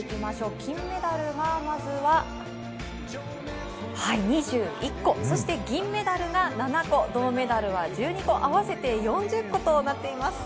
金メダルが２１個、銀メダルが７個、銅メダルは１２個、合わせて４０個となっています。